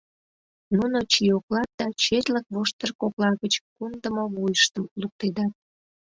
Нуно чиоклат да четлык воштыр кокла гыч кундымо вуйыштым луктедат.